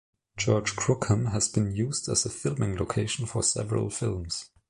Church Crookham has been used as a filming location for several films.